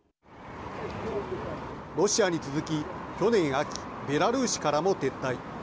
ロシアに続き去年秋、ベラルーシからも撤退。